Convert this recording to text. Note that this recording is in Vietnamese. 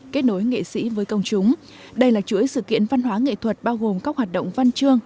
ca sĩ với công chúng đây là chuỗi sự kiện văn hóa nghệ thuật bao gồm các hoạt động văn chương